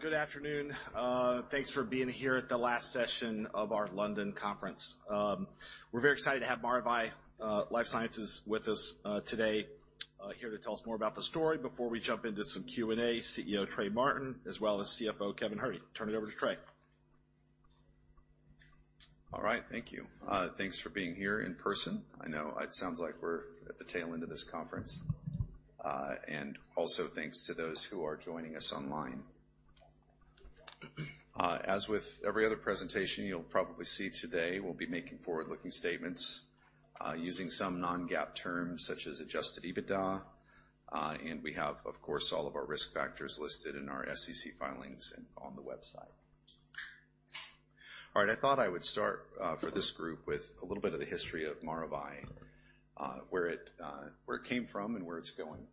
Good afternoon. Thanks for being here at the last session of our London conference. We're very excited to have Maravai LifeSciences with us, today, here to tell us more about the story. Before we jump into some Q&A, CEO Trey Martin, as well as CFO Kevin Herde. Turn it over to Trey. All right, thank you. Thanks for being here in person. I know it sounds like we're at the tail end of this conference. And also thanks to those who are joining us online. As with every other presentation, you'll probably see today, we'll be making forward-looking statements using some non-GAAP terms, such as Adjusted EBITDA. And we have, of course, all of our risk factors listed in our SEC filings and on the website. All right, I thought I would start for this group with a little bit of the history of Maravai, where it came from and where it's going.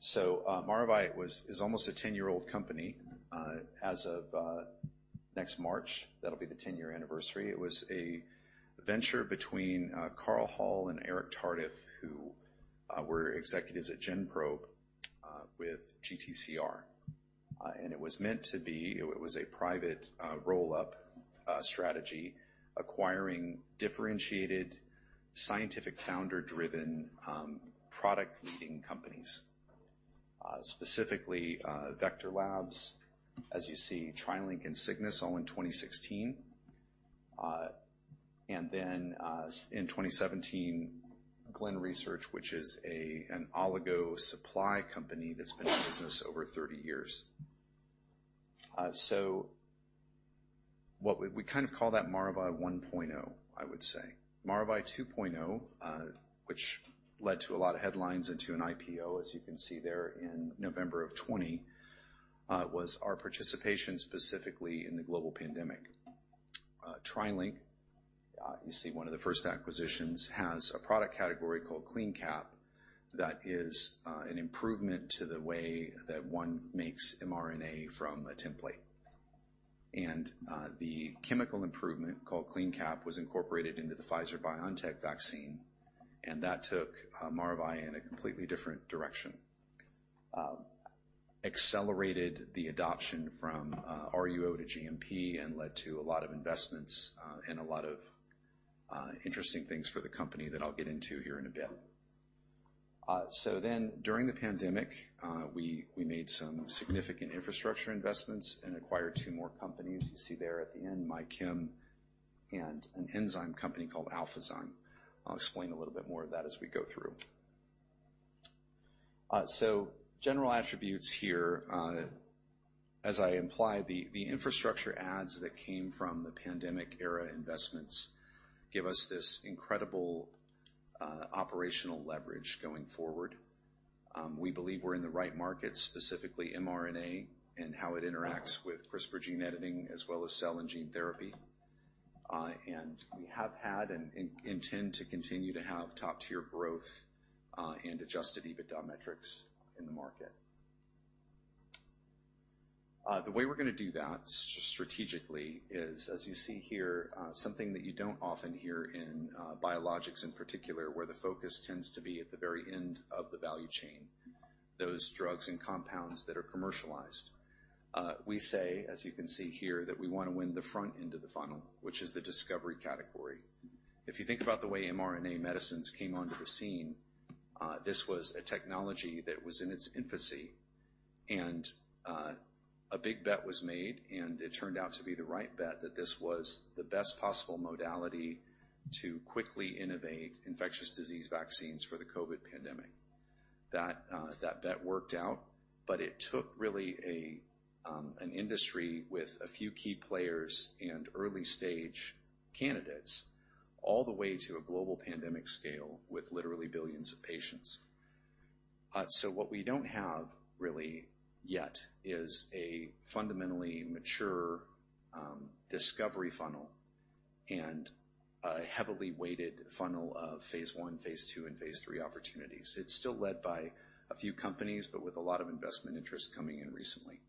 So, Maravai is almost a 10-year-old company. As of next March, that'll be the 10-year anniversary. It was a venture between Carl Hull and Eric Tardif, who were executives at Gen-Probe with GTCR. And it was meant to be... It was a private roll-up strategy, acquiring differentiated, scientific, founder-driven product-leading companies. Specifically, Vector Laboratories, as you see, TriLink and Cygnus, all in 2016. And then, in 2017, Glen Research, which is an oligo supply company that's been in business over 30 years. So what we kind of call that Maravai 1.0, I would say. Maravai 2.0, which led to a lot of headlines and to an IPO, as you can see there in November of 2020, was our participation, specifically in the global pandemic. TriLink, you see, one of the first acquisitions, has a product category called CleanCap. That is an improvement to the way that one makes mRNA from a template. And the chemical improvement, called CleanCap, was incorporated into the Pfizer-BioNTech vaccine, and that took Maravai in a completely different direction. Accelerated the adoption from RUO to GMP and led to a lot of investments and a lot of interesting things for the company that I'll get into here in a bit. So then during the pandemic, we made some significant infrastructure investments and acquired two more companies. You see there at the end, MyChem and an enzyme company called Alphazyme. I'll explain a little bit more of that as we go through. So general attributes here. As I implied, the infrastructure adds that came from the pandemic-era investments give us this incredible operational leverage going forward. We believe we're in the right market, specifically mRNA, and how it interacts with CRISPR gene editing, as well as cell and gene therapy. And we have had and intend to continue to have top-tier growth, and adjusted EBITDA metrics in the market. The way we're going to do that strategically is, as you see here, something that you don't often hear in, biologics in particular, where the focus tends to be at the very end of the value chain, those drugs and compounds that are commercialized. We say, as you can see here, that we want to win the front end of the funnel, which is the discovery category. If you think about the way mRNA medicines came onto the scene, this was a technology that was in its infancy and, a big bet was made, and it turned out to be the right bet, that this was the best possible modality to quickly innovate infectious disease vaccines for the COVID pandemic. That, that bet worked out, but it took really a, an industry with a few key players and early-stage candidates, all the way to a global pandemic scale with literally billions of patients. So what we don't have really yet is a fundamentally mature, discovery funnel and a heavily weighted funnel of Phase I, Phase II, and Phase III opportunities. It's still led by a few companies, but with a lot of investment interest coming in recently.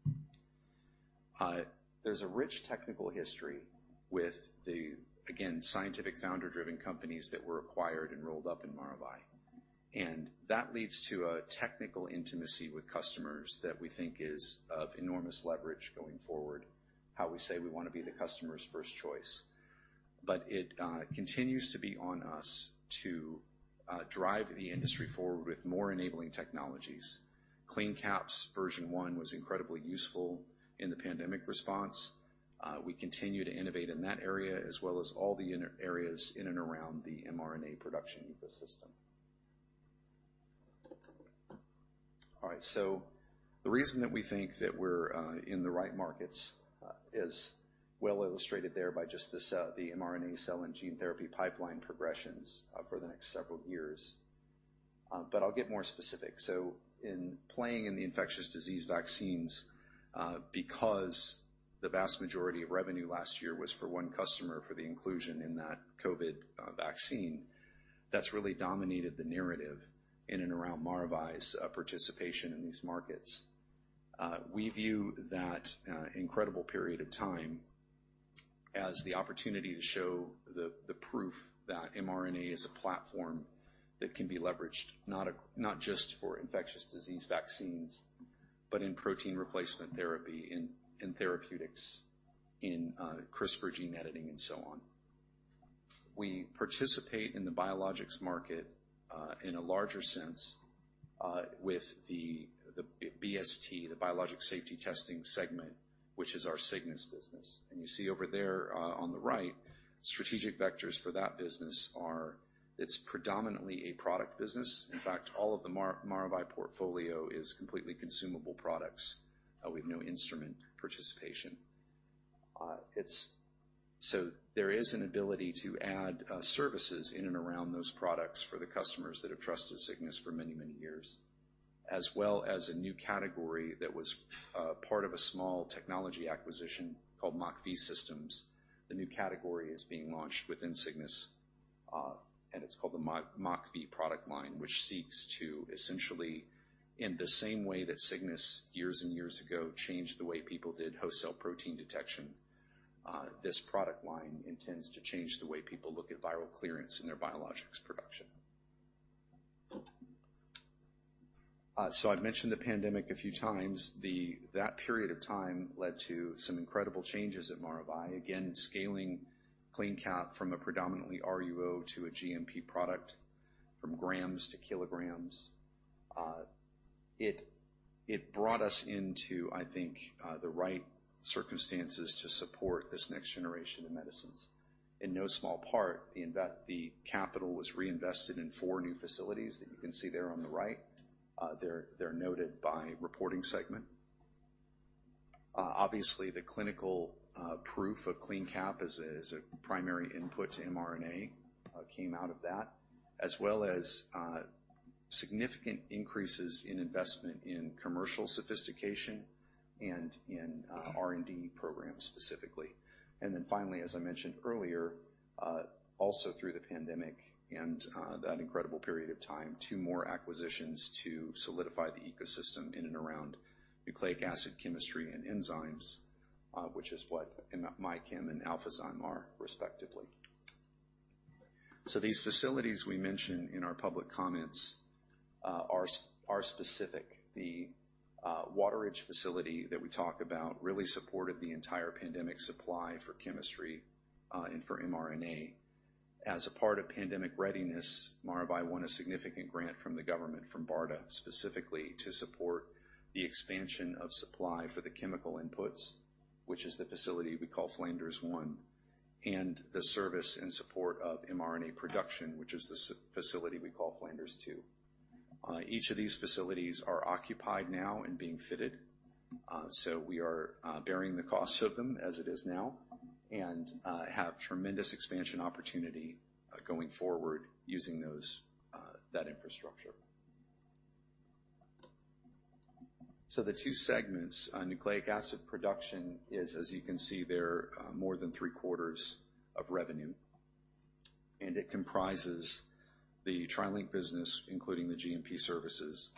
There's a rich technical history with the, again, scientific founder-driven companies that were acquired and rolled up in Maravai. And that leads to a technical intimacy with customers that we think is of enormous leverage going forward. How we say we want to be the customer's first choice, but it continues to be on us to drive the industry forward with more enabling technologies. CleanCap's version one was incredibly useful in the pandemic response. We continue to innovate in that area, as well as all the inner areas in and around the mRNA production ecosystem. All right, so the reason that we think that we're in the right markets is well illustrated there by just this, the mRNA cell and gene therapy pipeline progressions for the next several years. But I'll get more specific. So in playing in the infectious disease vaccines, because the vast majority of revenue last year was for one customer, for the inclusion in that COVID vaccine, that's really dominated the narrative in and around Maravai's participation in these markets. We view that incredible period of time as the opportunity to show the proof that mRNA is a platform that can be leveraged, not just for infectious disease vaccines, but in protein replacement therapy, in therapeutics, in CRISPR gene editing, and so on. We participate in the biologics market in a larger sense with the BST, the Biologics Safety Testing Segment, which is our Cygnus business. And you see over there on the right, strategic vectors for that business. It's predominantly a product business. In fact, all of the Maravai portfolio is completely consumable products. We've no instrument participation. It's so there is an ability to add services in and around those products for the customers that have trusted Cygnus for many, many years, as well as a new category that was part of a small technology acquisition called MockV Systems. The new category is being launched within Cygnus, and it's called the MockV product line, which seeks to essentially, in the same way that Cygnus, years and years ago, changed the way people did host cell protein detection. This product line intends to change the way people look at viral clearance in their biologics production. So I've mentioned the pandemic a few times. That period of time led to some incredible changes at Maravai. Again, scaling CleanCap from a predominantly RUO to a GMP product, from grams to kilograms. It brought us into, I think, the right circumstances to support this next generation of medicines. In no small part, the capital was reinvested in four new facilities that you can see there on the right. They're noted by reporting segment. Obviously, the clinical proof of CleanCap as a primary input to mRNA came out of that, as well as significant increases in investment in commercial sophistication and in R&D programs specifically. Then finally, as I mentioned earlier, also through the pandemic and that incredible period of time, two more acquisitions to solidify the ecosystem in and around nucleic acid chemistry and enzymes, which is what MyChem and Alphazyme are, respectively. So these facilities we mention in our public comments are specific. The Wateridge facility that we talk about really supported the entire pandemic supply for chemistry and for mRNA. As a part of pandemic readiness, Maravai won a significant grant from the government, from BARDA, specifically to support the expansion of supply for the chemical inputs, which is the facility we call Flanders 1, and the service in support of mRNA production, which is the facility we call Flanders 2. Each of these facilities are occupied now and being fitted, so we are bearing the costs of them as it is now, and have tremendous expansion opportunity going forward, using that infrastructure. So the two segments, Nucleic Acid Production is, as you can see there, more than three-quarters of revenue, and it comprises the TriLink business, including the GMP services,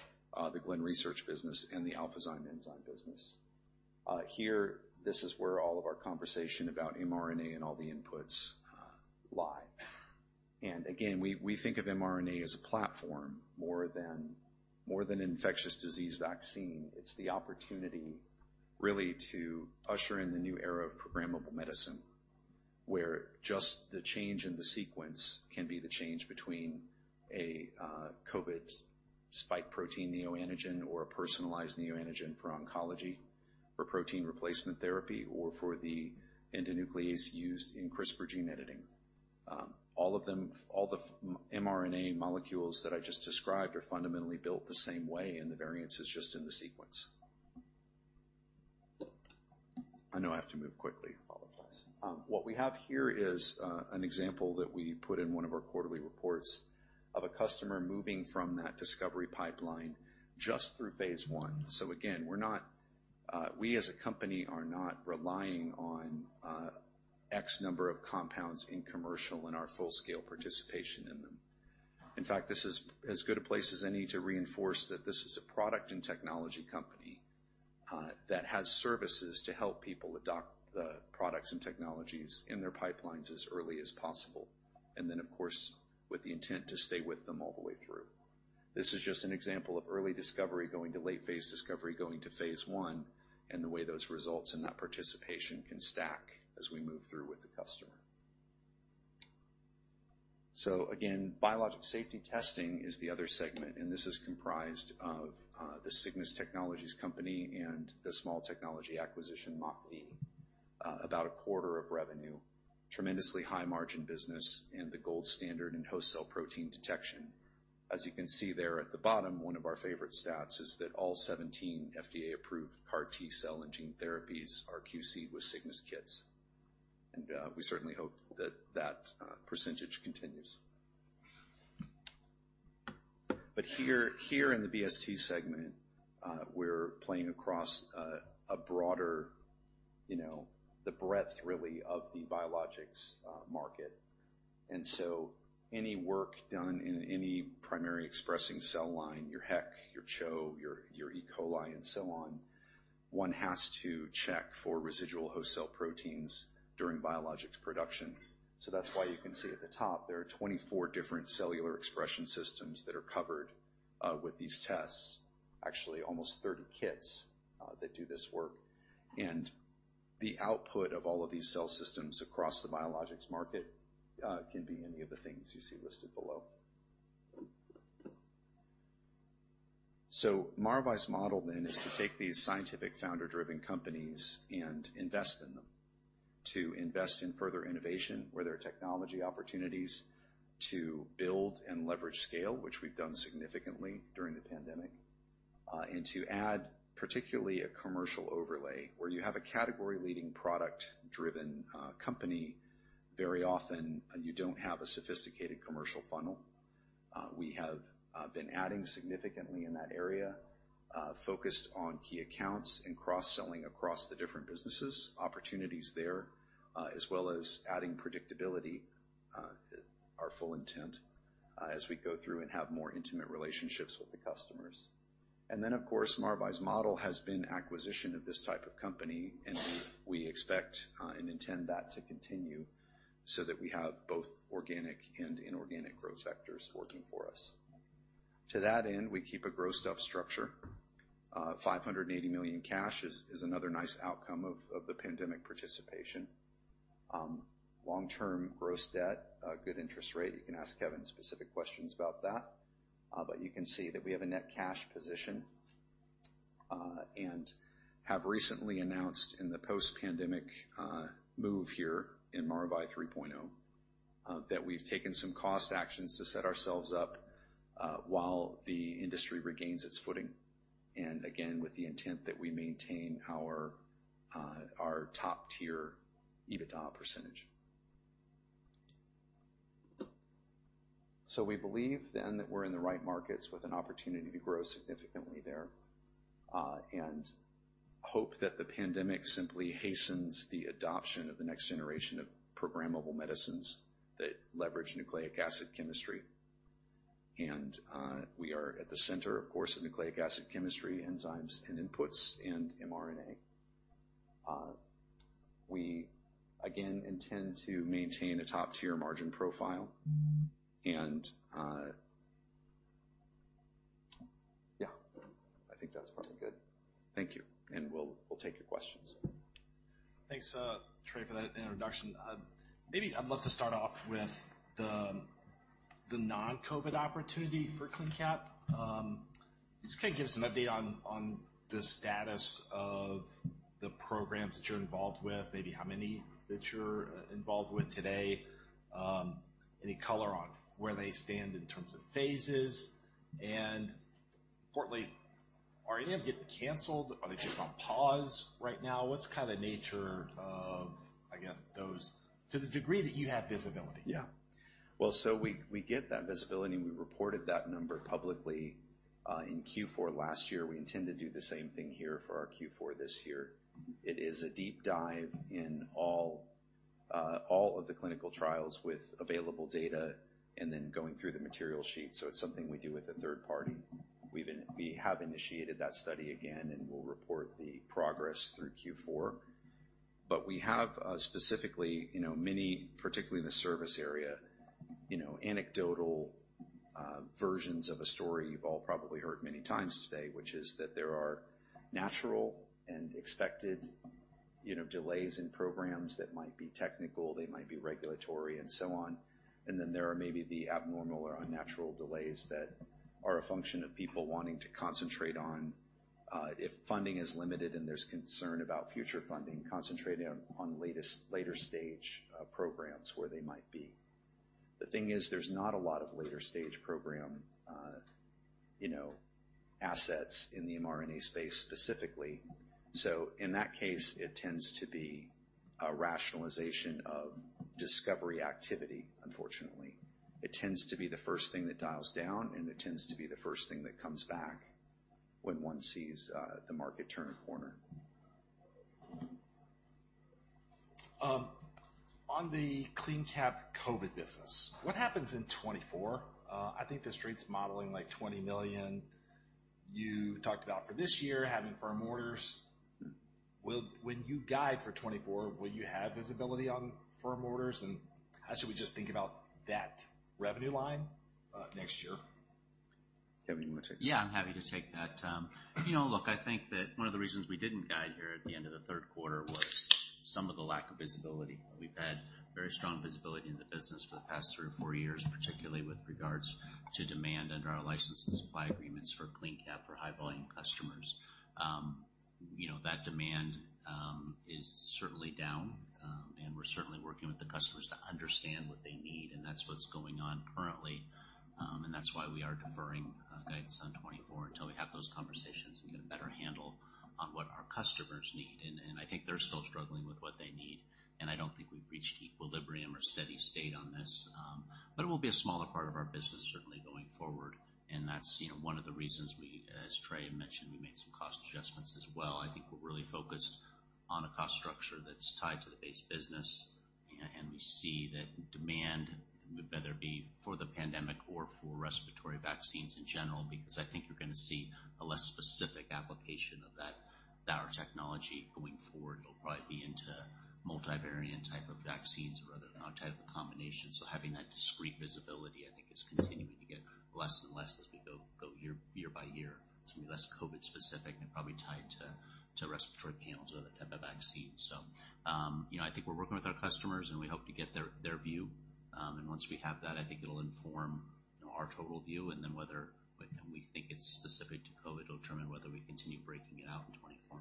the Glen Research business, and the Alphazyme enzyme business. Here, this is where all of our conversation about mRNA and all the inputs lie. Again, we think of mRNA as a platform more than infectious disease vaccine. It's the opportunity really to usher in the new era of programmable medicine, where just the change in the sequence can be the change between a COVID spike protein neoantigen or a personalized neoantigen for oncology, for protein replacement therapy, or for the endonuclease used in CRISPR gene editing. All of them, all the mRNA molecules that I just described are fundamentally built the same way, and the variance is just in the sequence. I know I have to move quickly. Apologize. What we have here is an example that we put in one of our quarterly reports of a customer moving from that discovery pipeline just through phase one. So again, we're not, we as a company are not relying on, X number of compounds in commercial and our full-scale participation in them. In fact, this is as good a place as any to reinforce that this is a product and technology company, that has services to help people adopt the products and technologies in their pipelines as early as possible, and then, of course, with the intent to stay with them all the way through. This is just an example of early discovery going to late-phase discovery, going to phase one, and the way those results and that participation can stack as we move through with the customer. So again, Biologics Safety Testing is the other segment, and this is comprised of, the Cygnus Technologies company and the small technology acquisition, MockV. About a quarter of revenue, tremendously high-margin business and the gold standard in host cell protein detection. As you can see there at the bottom, one of our favorite stats is that all 17 FDA-approved CAR T cell and gene therapies are QC'd with Cygnus kits. And we certainly hope that percentage continues. But here in the BST segment, we're playing across a broader, you know, the breadth really of the biologics market. And so any work done in any primary expressing cell line, your HEK, your CHO, your E. coli, and so on, one has to check for residual host cell proteins during biologics production. So that's why you can see at the top, there are 24 different cellular expression systems that are covered with these tests. Actually, almost 30 kits that do this work. The output of all of these cell systems across the biologics market can be any of the things you see listed below. Maravai's model then is to take these scientific founder-driven companies and invest in them. To invest in further innovation where there are technology opportunities, to build and leverage scale, which we've done significantly during the pandemic, and to add particularly a commercial overlay where you have a category-leading product-driven company, very often you don't have a sophisticated commercial funnel. We have been adding significantly in that area, focused on key accounts and cross-selling across the different businesses, opportunities there, as well as adding predictability, our full intent as we go through and have more intimate relationships with the customers. And then, of course, Maravai's model has been acquisition of this type of company, and we expect and intend that to continue so that we have both organic and inorganic growth vectors working for us. To that end, we keep a grossed-up structure. $580 million cash is another nice outcome of the pandemic participation. Long-term gross debt, a good interest rate. You can ask Kevin specific questions about that, but you can see that we have a net cash position, and have recently announced in the post-pandemic move here in Maravai 3.0, that we've taken some cost actions to set ourselves up while the industry regains its footing, and again, with the intent that we maintain our top-tier EBITDA percentage. We believe then that we're in the right markets with an opportunity to grow significantly there, and hope that the pandemic simply hastens the adoption of the next generation of programmable medicines that leverage nucleic acid chemistry. We are at the center, of course, of nucleic acid chemistry, enzymes and inputs, and mRNA. We again intend to maintain a top-tier margin profile. Yeah, I think that's probably good. Thank you, and we'll take your questions. Thanks, Trey, for that introduction. Maybe I'd love to start off with the non-COVID opportunity for CleanCap. Just give us an update on the status of the programs that you're involved with, maybe how many that you're involved with today, any color on where they stand in terms of phases, and importantly, are any of them getting canceled? Are they just on pause right now? What's kind of the nature of, I guess, those to the degree that you have visibility? Yeah. Well, so we get that visibility, and we reported that number publicly in Q4 last year. We intend to do the same thing here for our Q4 this year. It is a deep dive in all all of the clinical trials with available data and then going through the material sheet. So it's something we do with a third party. We have initiated that study again, and we'll report the progress through Q4. But we have specifically, you know, many, particularly in the service area, you know, anecdotal versions of a story you've all probably heard many times today, which is that there are natural and expected, you know, delays in programs that might be technical, they might be regulatory, and so on. And then there are maybe the abnormal or unnatural delays that are a function of people wanting to concentrate on, if funding is limited and there's concern about future funding, concentrating on latest, later stage, programs where they might be. The thing is, there's not a lot of later stage program, you know, assets in the mRNA space specifically. So in that case, it tends to be a rationalization of discovery activity unfortunately. It tends to be the first thing that dials down, and it tends to be the first thing that comes back when one sees, the market turn a corner. On the CleanCap COVID business, what happens in 2024? I think the street's modeling like $20 million. You talked about for this year, having firm orders. Will, when you guide for 2024, will you have visibility on firm orders, and how should we just think about that revenue line, next year? Kevin, you want to take it? Yeah, I'm happy to take that. You know, look, I think that one of the reasons we didn't guide here at the end of the third quarter was some of the lack of visibility. We've had very strong visibility in the business for the past 3 or 4 years, particularly with regards to demand under our license and supply agreements for CleanCap for high-volume customers. You know, that demand is certainly down, and we're certainly working with the customers to understand what they need, and that's what's going on currently. And that's why we are deferring guidance on 2024 until we have those conversations and get a better handle on what our customers need. And I think they're still struggling with what they need, and I don't think we've reached equilibrium or steady state on this. But it will be a smaller part of our business, certainly going forward, and that's, you know, one of the reasons we, as Trey mentioned, we made some cost adjustments as well. I think we're really focused on a cost structure that's tied to the base business, and we see that demand, whether it be for the pandemic or for respiratory vaccines in general, because I think you're going to see a less specific application of that, our technology going forward. It'll probably be into multivariant type of vaccines or other type of combinations. So having that discrete visibility, I think, is continuing to get less and less as we go year by year. It's going to be less COVID-specific and probably tied to respiratory panels or other type of vaccines. So, you know, I think we're working with our customers, and we hope to get their view. Once we have that, I think it'll inform, you know, our total view, and then whether we think it's specific to COVID, it'll determine whether we continue breaking it out in 2024.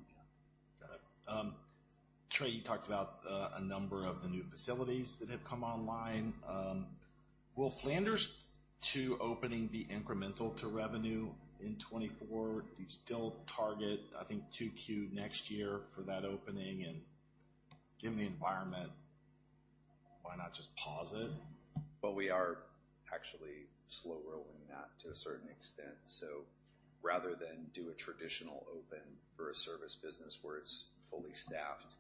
Got it. Trey, you talked about a number of the new facilities that have come online. Will Flanders 2 opening be incremental to revenue in 2024? Do you still target, I think, 2Q next year for that opening and given the environment, why not just pause it? Well, we are actually slow-rolling that to a certain extent. So rather than do a traditional open for a service business where it's fully staffed,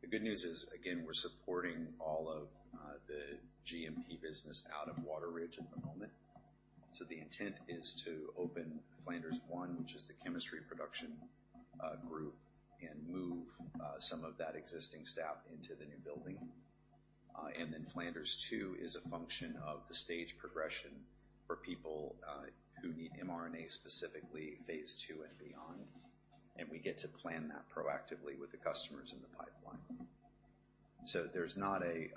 the good news is, again, we're supporting all of the GMP business out of Wateridge at the moment. So the intent is to open Flanders 1, which is the chemistry production group, and move some of that existing staff into the new building. And then Flanders 2 is a function of the stage progression for people who need mRNA, specifically phase two and beyond. And we get to plan that proactively with the customers in the pipeline. So there's not a...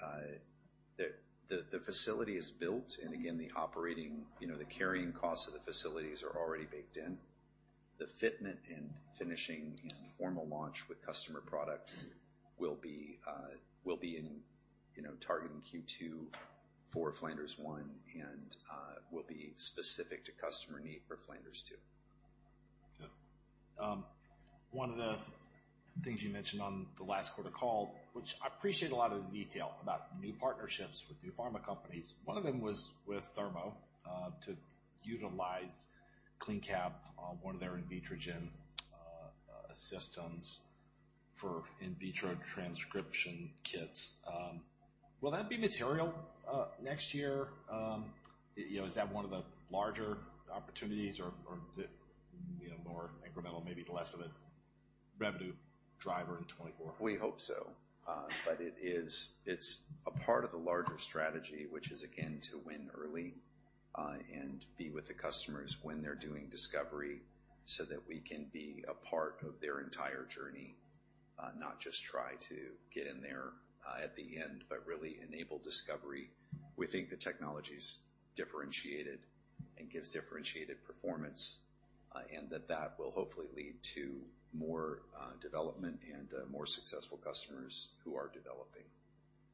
The facility is built, and again, the operating, you know, the carrying costs of the facilities are already baked in. The fitment and finishing and formal launch with customer product will be, will be in, you know, targeting Q2 for Flanders 1 and will be specific to customer need for Flanders 2. Good. One of the things you mentioned on the last quarter call, which I appreciate a lot of the detail about new partnerships with new pharma companies. One of them was with Thermo to utilize CleanCap, one of their Invitrogen systems for in-vitro transcription kits. Will that be material next year? You know, is that one of the larger opportunities or, or, you know, more incremental, maybe less of a revenue driver in 2024? We hope so, but it is, it's a part of the larger strategy, which is, again, to win early, and be with the customers when they're doing discovery, so that we can be a part of their entire journey, not just try to get in there, at the end, but really enable discovery. We think the technology's differentiated and gives differentiated performance, and that will hopefully lead to more development and more successful customers who are developing.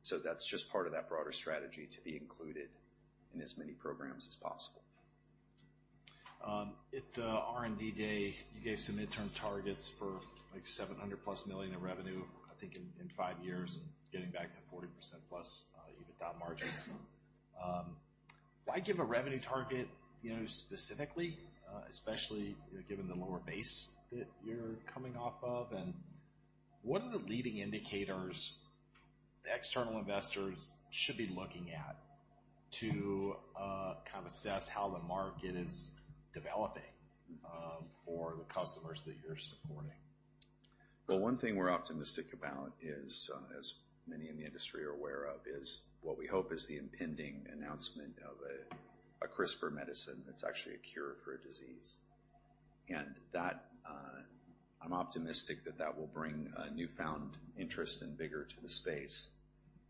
So that's just part of that broader strategy to be included in as many programs as possible. At the R&D day, you gave some midterm targets for, like, $700+ million in revenue, I think, in, in five years and getting back to 40%+ EBITDA margins. I give a revenue target, you know, specifically, especially given the lower base that you're coming off of, and what are the leading indicators the external investors should be looking at to, kind of assess how the market is developing, for the customers that you're supporting? Well, one thing we're optimistic about is, as many in the industry are aware of, is what we hope is the impending announcement of a CRISPR medicine that's actually a cure for a disease. And that, I'm optimistic that, that will bring a newfound interest and vigor to the space.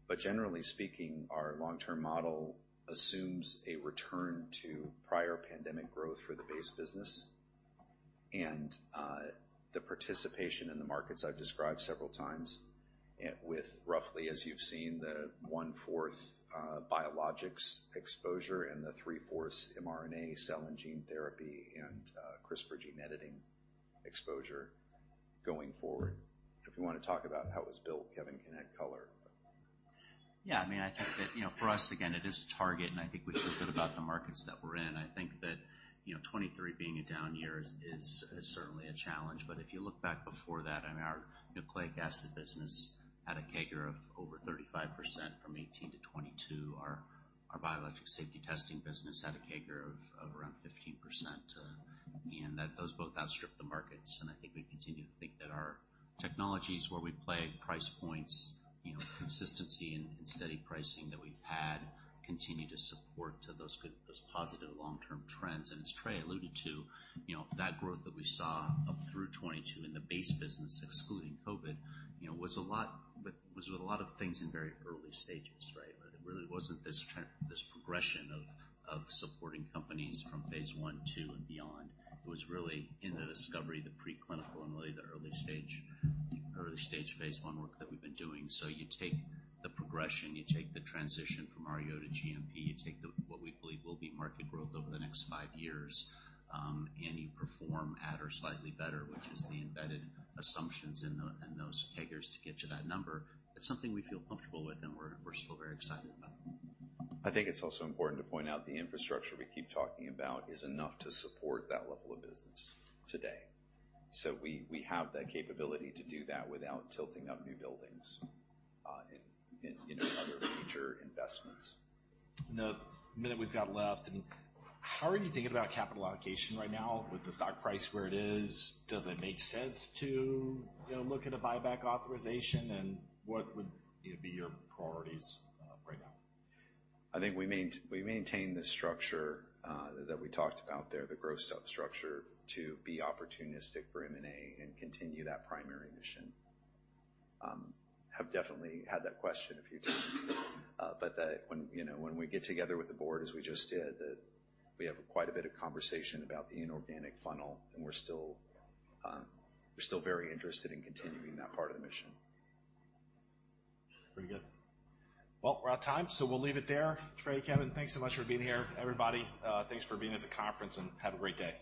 But generally speaking, our long-term model assumes a return to prior pandemic growth for the base business and, the participation in the markets I've described several times, and with roughly, as you've seen, the 1/4 biologics exposure and the 3/4 mRNA cell and gene therapy and, CRISPR gene editing exposure going forward. If you want to talk about how it was built, Kevin can add color. Yeah, I mean, I think that, you know, for us, again, it is a target, and I think we feel good about the markets that we're in. I think that, you know, 2023 being a down year is certainly a challenge. But if you look back before that, I mean, our nucleic acid business had a CAGR of over 35% from 2018 to 2022. Our biologic safety testing business had a CAGR of around 15%, and that those both outstripped the markets. And I think we continue to think that our technologies, where we play price points, you know, consistency and steady pricing that we've had, continue to support those good, those positive long-term trends. And as Trey alluded to, you know, that growth that we saw up through 2022 in the base business, excluding COVID, you know, was with a lot of things in very early stages, right? But it really wasn't this trend, this progression of supporting companies from phase one and beyond. It was really in the discovery, the preclinical, and really the early stage phase one work that we've been doing. So you take the progression, you take the transition from RUO to GMP, you take what we believe will be market growth over the next five years, and you perform at or slightly better, which is the embedded assumptions in those CAGRs to get to that number. It's something we feel comfortable with, and we're still very excited about. I think it's also important to point out the infrastructure we keep talking about is enough to support that level of business today. So we have that capability to do that without tilting up new buildings, in other future investments. The minute we've got left, and how are you thinking about capital allocation right now with the stock price where it is? Does it make sense to, you know, look at a buyback authorization, and what would, you know, be your priorities right now? I think we maintain the structure that we talked about there, the growth stock structure, to be opportunistic for M&A and continue that primary mission. Have definitely had that question a few times. But that when, you know, when we get together with the board, as we just did, that we have quite a bit of conversation about the inorganic funnel, and we're still, we're still very interested in continuing that part of the mission. Pretty good. Well, we're out of time, so we'll leave it there. Trey, Kevin, thanks so much for being here. Everybody, thanks for being at the conference, and have a great day.